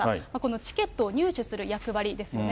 このチケットを入手する役割ですね。